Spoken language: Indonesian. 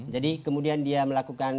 jadi kemudian dia melakukan